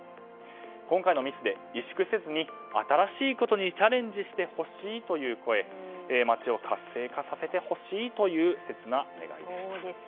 今回のミスで委縮せずに新しいことにチャレンジしてほしいという声町を活性化させてほしいという切な願いでした。